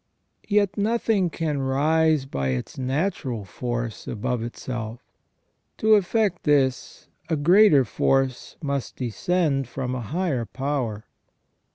Yet nothing can rise by its natural force above itself; to effect this a greater force must descend from a higher power.